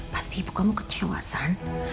pasti ibu kamu kecewasan